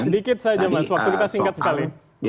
sedikit saja mas waktu kita singkat sekali